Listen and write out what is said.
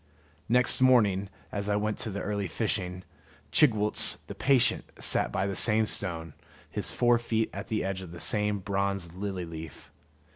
Next morning, as I went to the early fishing, Chigwooltz, the patient, sat by the same stone, his fore feet at the edge of the same bronze lily leaf.